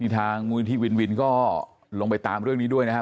นี่ทางมุมยุนที่วินวินก็ลงไปตามเรื่องนี้ด้วยนะครับ